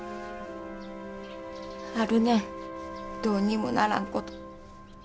あるねんどうにもならんこと。